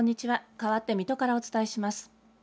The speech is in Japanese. かわって水戸からお伝えします。